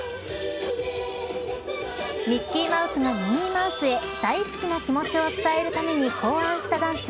ミッキーマウスがミニーマウスへ大好きな気持ちを伝えるために考案したダンス